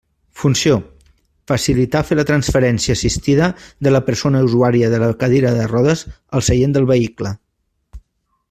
Funció: facilita fer la transferència assistida de la persona usuària de la cadira de rodes al seient del vehicle.